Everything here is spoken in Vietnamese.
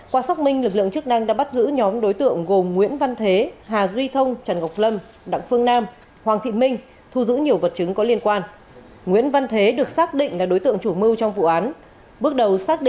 qua đấu tranh bắt đầu đối tượng khai nhận do còn nhiều tình cảm với nạn nhân và quá bức xúc